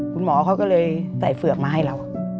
คุณหมอเขาก็เลยใส่เฝือกมาให้เรา